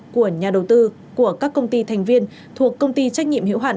của nhà đầu tư của các công ty thành viên thuộc công ty trách nhiệm hiệu hạn